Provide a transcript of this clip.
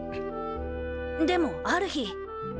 でもある日。